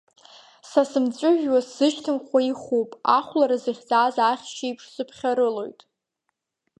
Са сымҵәыжәҩа сзышьҭымхуа ихуп, ахәлара зыхьӡаз ахьшьеиԥш, сыԥхьарылоит!